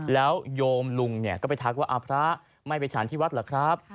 แล้วโยมลุงก็ไปทักว่าพระไม่ไปฉันที่วัดเหรอครับ